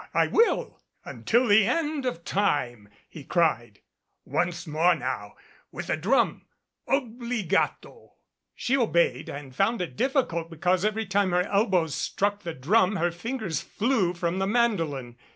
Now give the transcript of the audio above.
I will. Until the end of time," he cried. "Once more now, with the drum obbligato." She obeyed and found it difficult because every time her elbows struck the drum her fingers flew from the mandolin.